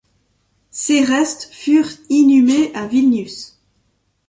Ses restes furent inhumés à Vilnius.